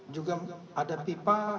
juga ada pipa